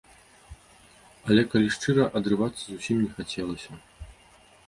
Але, калі шчыра, адрывацца зусім не хацелася.